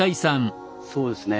そうですね